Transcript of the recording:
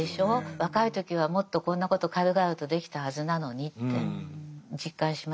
若い時はもっとこんなこと軽々とできたはずなのにって実感しますね。